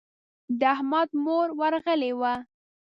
د احمد مور ورغلې وه.